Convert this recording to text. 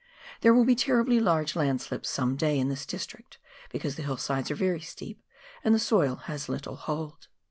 There will be terribly large landslips some day in this district, because the hillsides are very steep and the soil has little hold.